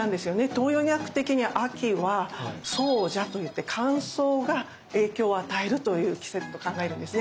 東洋医学的に秋は燥邪といって乾燥が影響を与えるという季節と考えるんですね。